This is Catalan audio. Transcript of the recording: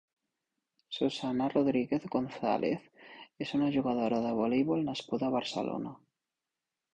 Susana Rodríguez González és una jugadora de voleivol nascuda a Barcelona.